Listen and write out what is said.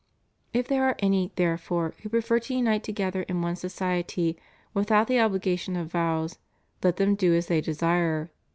If there are any, therefore, who prefer to unite together in one society without the obligation of vows, let them do as they desire.